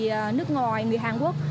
người nước ngoài người hàn quốc